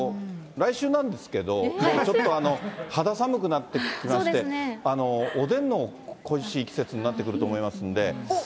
来週なんですけど、ちょっと肌寒くなってきまして、おでんの恋しい季節になってくると思いますんで。